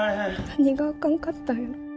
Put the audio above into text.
何があかんかったんやろ。